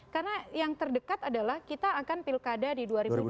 karena yang terdekat adalah kita akan pilkada di dua ribu dua puluh